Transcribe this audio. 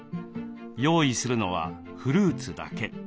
用意するのはフルーツだけ。